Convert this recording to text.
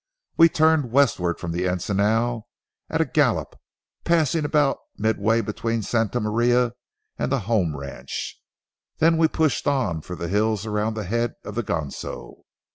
We turned westward from the encinal at a gallop, passing about midway between Santa Maria and the home ranch. Thence we pushed on for the hills around the head of the Ganso.